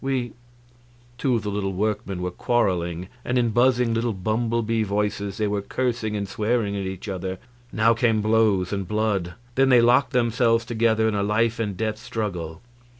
We " Two of the little workmen were quarreling, and in buzzing little bumblebee voices they were cursing and swearing at each other; now came blows and blood; then they locked themselves together in a life and death struggle.